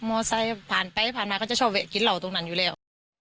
อไซค์ผ่านไปผ่านมาก็จะชอบแวะกินเหล่าตรงนั้นอยู่แล้ว